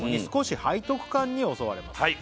「少し背徳感に襲われます」